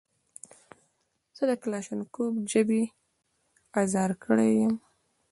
زه د کلاشینکوف ژبې ازار کړی یم.